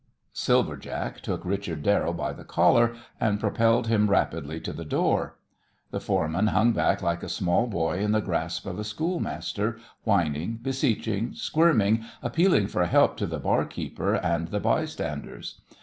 Silver Jack took Richard Darrell by the collar and propelled him rapidly to the door. The foreman hung back like a small boy in the grasp of a schoolmaster, whining, beseeching, squirming, appealing for help to the barkeeper and the bystanders.